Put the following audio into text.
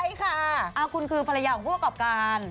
ใช่ค่ะคุณคือภรรยาของผู้ประกอบการ